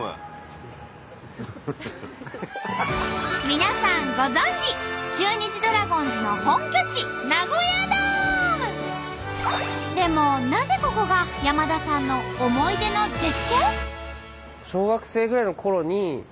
皆さんご存じ中日ドラゴンズの本拠地でもなぜここが山田さんの思い出の絶景？